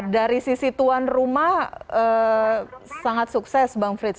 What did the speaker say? dari sisi tuan rumah sangat sukses bang frits